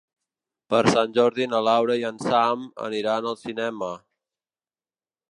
Per Sant Jordi na Laura i en Sam aniran al cinema.